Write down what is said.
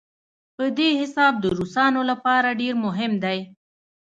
په دې حساب د روسانو لپاره ډېر مهم دی.